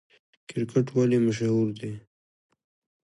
کرکټ ولې مشهور دی؟